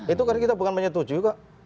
itu kan kita bukan menyetujui kok